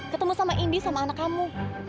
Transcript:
ketemu sama indi sama anak kamu